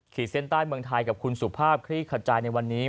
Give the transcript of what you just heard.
เส้นใต้เมืองไทยกับคุณสุภาพคลี่ขจายในวันนี้